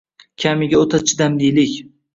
Kamiga o‘ta chidamlilik